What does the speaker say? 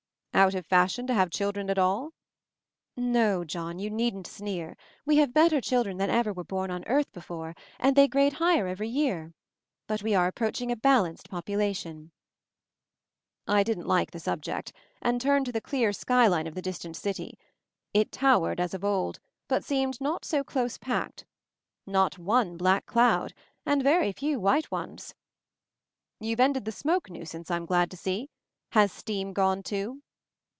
"Out of fashion to have children at all? 'No, John, you needn't sneer. We have better children than ever were born on earth before, and they grade higher every year. But we are approaching a balanced popu lation/' I didn't like the subject, and turned to the clear skyline of the distant city. It towered as of old, but seemed not so close packed. Not one black cloud — and very few white ones ! "You've ended the smoke nuisance, I'm glad to see. Has steam gone, too?"